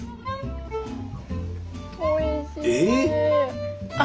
おいしい！